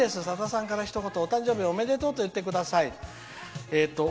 さださんからひと言お誕生日おめでとうと言ってください」。